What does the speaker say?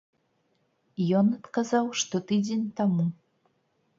Ён адказаў, што тыдзень таму.